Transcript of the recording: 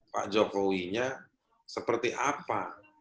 pak jokowi nya seperti apa